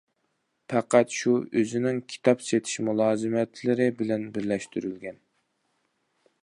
پەقەت شۇ ئۆزىنىڭ كىتاب سېتىش مۇلازىمەتلىرى بىلەن بىرلەشتۈرۈلگەن.